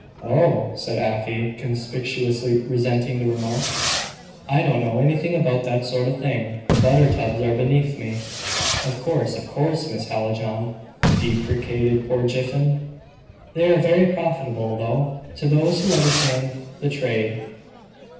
"Oh," said Afy, conspicuously resenting the remark. "I don't know anything about that sort of thing. Butter tubs are beneath me." "Of course, of course, Miss Hallijohn," deprecated poor Jiffin. "They are very profitable, though, to those who understand the trade."